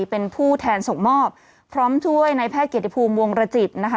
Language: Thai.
เป็นผู้แทนส่งมอบพร้อมช่วยในแพทย์เกียรติภูมิวงรจิตนะคะ